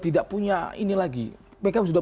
tidak punya ini lagi mereka sudah